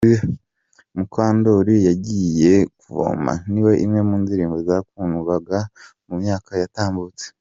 Mukandori yagiye kuvoma’ ni imwe mu ndirimbo zakundwakajwe mu myaka yatambutse.